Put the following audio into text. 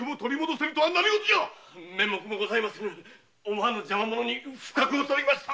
思わぬ邪魔者に不覚を取りました。